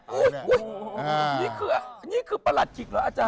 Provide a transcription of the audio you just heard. โอ้โหนี่คือนี่คือประหลัดขิกหรืออาจารย์